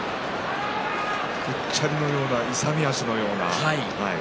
うっちゃりのような勇み足のような。